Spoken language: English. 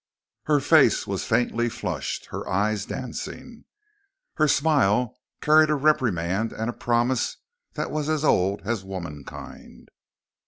Her face was faintly flushed, her eyes dancing. Her smile carried a reprimand and a promise that was as old as womankind.